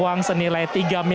lampu lampu lampu